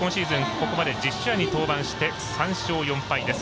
ここまで１０試合に登板して３勝４敗です。